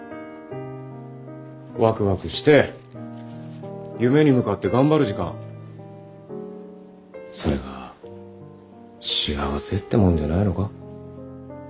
ワクワクして夢に向かって頑張る時間それが幸せってもんじゃないのか？